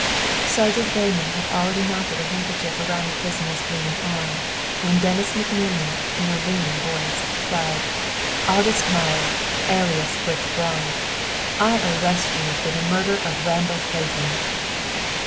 Sergeant Breyman had already knotted a handkerchief around the prisoner's bleeding arm, when Dennis McNerney, in a ringing voice, cried, "August Meyer, alias Fritz Braun, I arrest you for the murder of Randall Clayton!"